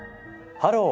「ハロー！